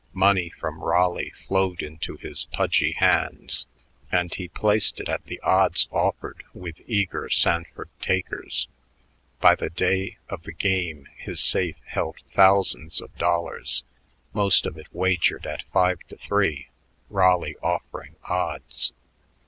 Money from Raleigh flowed into his pudgy hands, and he placed it at the odds offered with eager Sanford takers. By the day of the game his safe held thousands of dollars, most of it wagered at five to three, Raleigh offering odds.